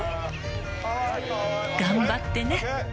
「頑張ってね！」